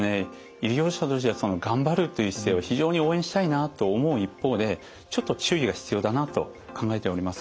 医療者としては頑張るという姿勢は非常に応援したいなと思う一方でちょっと注意が必要だなと考えております。